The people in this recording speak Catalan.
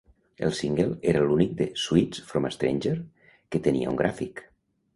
El single era l'únic de "Sweets from a Stranger" que tenia un gràfic.